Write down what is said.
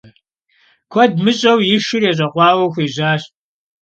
Куэд мыщӏэу и шыр ещӏэкъуауэу хуежьащ.